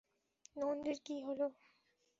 নন্দির কি হলো?